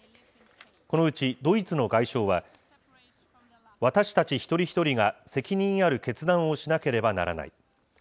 このうち、ドイツの外相は、私たち一人一人が責任ある決断をしなければならない。